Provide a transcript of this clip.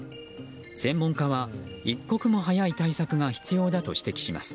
専門家は、一刻も早い対策が必要だと指摘します。